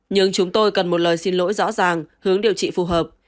nhưng chúng tôi cần một lời xin lỗi rõ ràng hướng điều trị phù hợp